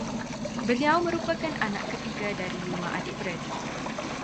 Beliau merupakan anak ketiga dari lima adik-beradik